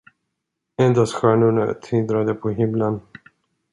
Endast stjärnorna tindrade på himmelen.